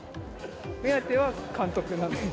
目当ては監督なんです。